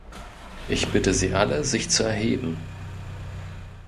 Ich bitte Sie alle, sich zu erheben.